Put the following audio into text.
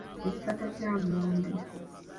Ekikata kya lumonde.